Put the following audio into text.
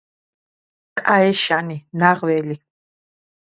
კაეშანი-ნაღველი